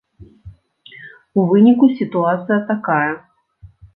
У выніку сітуацыя такая.